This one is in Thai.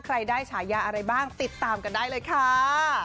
ได้ฉายาอะไรบ้างติดตามกันได้เลยค่ะ